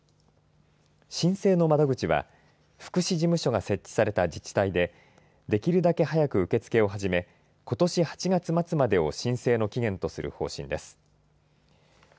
申請の窓口は福祉事務所が設置された自治体でできるだけ早く受け付けを始めことし８月末までを申請の期限とする方針です。